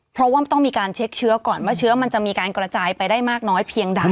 เพราะว่ามันต้องมีการเช็คเชื้อก่อนว่าเชื้อมันจะมีการกระจายไปได้มากน้อยเพียงใด